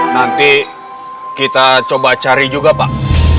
nanti kita coba cari juga pak